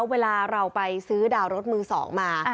เวลาเราไปซื้อดาวรถมือ๒มา